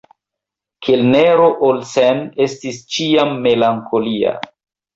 Kelnero Olsen estis ĉiam melankolia.